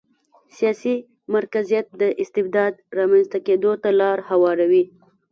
سیاسي مرکزیت د استبداد رامنځته کېدو ته لار هواروي.